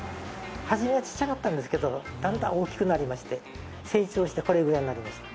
初めはちっちゃかったんですが、だんだん大きくなりまして成長してこれぐらいになりました。